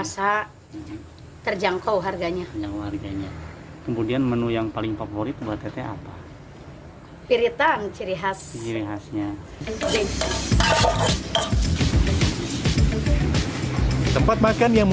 satu terjangkau harganya